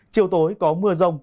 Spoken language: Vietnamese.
chiều tối có mưa rông